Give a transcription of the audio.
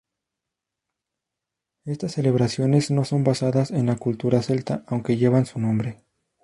Estas celebraciones no son basadas en la cultura celta aunque lleven su nombre.